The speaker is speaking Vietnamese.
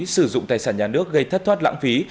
sử dụng tài sản nhà nước gây thất thoát lãng phí